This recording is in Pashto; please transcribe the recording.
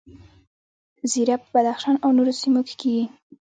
زیره په بدخشان او نورو سیمو کې کیږي